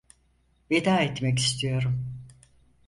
Veda etmek istiyorum.